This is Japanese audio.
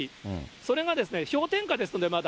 それが氷点下ですので、まだ。